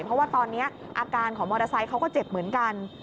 เพราะว่าตอนนี้อาการของมอเตอร์ไซค์เขาก็เจ็บเหมือนกัน